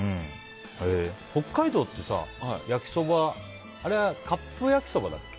北海道ってさ、焼きそばあれはカップ焼きそばだっけ？